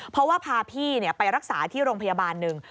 เพราะว่าพาพี่ไปรักษาที่โรงพยาบาลหนึ่ง